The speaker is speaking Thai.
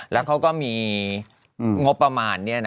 แล้วเขาก็มีงบประมาณ